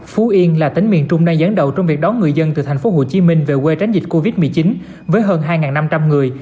phú yên là tỉnh miền trung đang gián đầu trong việc đón người dân từ tp hcm về quê tránh dịch covid một mươi chín với hơn hai năm trăm linh người